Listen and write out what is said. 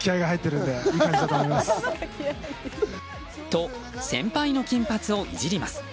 と、先輩の金髪をイジります。